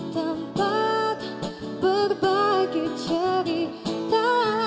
tempat berbagi cerita